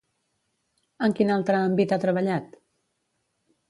En quin altre àmbit ha treballat?